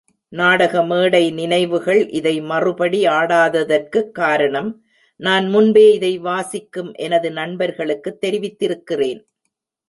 நாடக மேடை நினைவுகள் இதை மறுபடி ஆடாததற்குக் காரணம், நான் முன்பே இதை வாசிக்கும் எனது நண்பர்களுக்குத் தெரிவித்திருக்கிறேன்.